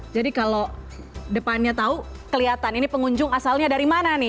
jadi kalau depannya tahu kelihatan ini pengunjung asalnya dari mana nih